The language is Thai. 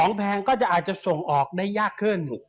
แพงก็จะอาจจะส่งออกได้ยากขึ้น